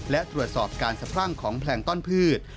และตรวจสอบการสะพรั่งของแพลงต้อนพืช